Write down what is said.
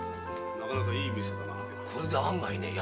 なかなかいい店だな。